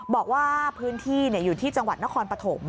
บอกว่าพื้นที่อยู่ที่จังหวัดนครปฐม